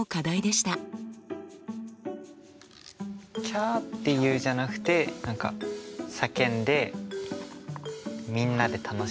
「キャって言う」じゃなくて何か叫んでみんなで楽しむみたいな。